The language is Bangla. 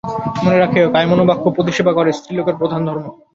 মনে রাখিও, কায়মনোবাক্যে পতিসেবা করা স্ত্রীলোকের প্রধান ধর্ম।